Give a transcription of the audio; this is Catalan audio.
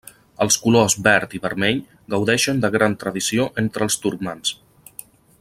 Els colors verd i vermell gaudeixen de gran tradició entre els turcmans.